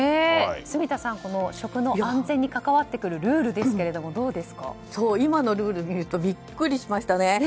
住田さん、食の安全に関わってくるルールですけど今のルールを見るとビックリしましたね。